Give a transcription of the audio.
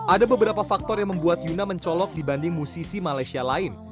ada beberapa faktor yang membuat yuna mencolok dibanding musisi malaysia lain